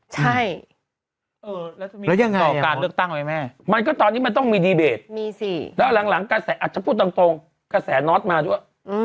ใช่แล้วยังไงหรอมันก็ตอนนี้มันต้องมีดีเบตแล้วหลังกระแสอาจจะพูดตรงกระแสน็อตมาด้วย